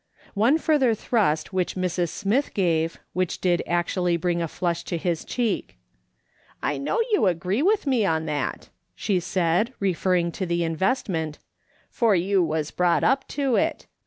One further thrust which Mrs. Smith gave, which did actually bring a flush to his cheek :" I know you agree with me in that," she said, referring to the investment, " for you was brought up to it.